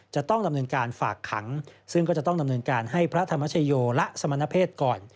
จะต้องดำเนินการฝากขังซึ่งก็จะต้องดำเนินการให้พระธรรมชโยและสมณเพศก่อน